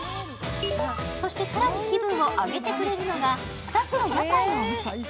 そして、更に気分を上げてくれるのが２つの屋台のお店。